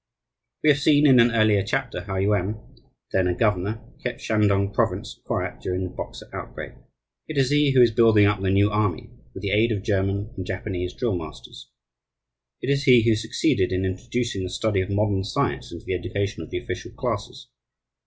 We have seen, in an earlier chapter, how Yuan, then a governor, kept Shantung Province quiet during the Boxer outbreak. It is he who is building up the "new army" with the aid of German and Japanese drill masters. It is he who succeeded in introducing the study of modern science into the education of the official classes.